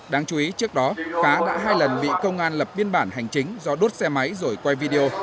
đáng chú ý trước đó khá đã hai lần bị công an lập biên bản hành chính do đốt xe máy rồi quay video